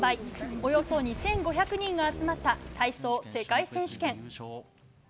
およそ２５００人が集まった体操世界選手権。